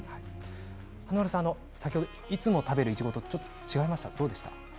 華丸さん、いつも食べるいちごとちょっと違いましたか？